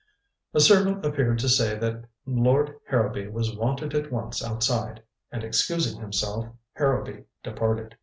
A servant appeared to say that Lord Harrowby was wanted at once outside, and excusing himself, Harrowby departed.